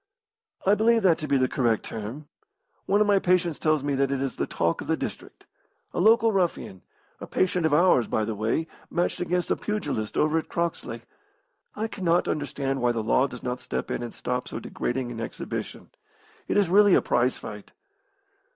"I believe that to be the correct term. One of my patients tells me that it is the talk of the district. A local ruffian, a patient of ours, by the way, matched against a pugilist over at Croxley. I cannot understand why the law does not step in and stop so degrading an exhibition. It is really a prize fight."